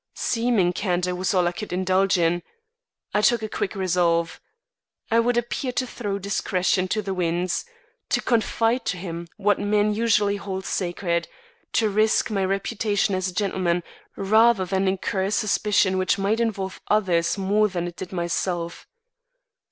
Seeming candour was all I could indulge in. I took a quick resolve. I would appear to throw discretion to the winds; to confide to him what men usually hold sacred; to risk my reputation as a gentleman, rather than incur a suspicion which might involve others more than it did myself.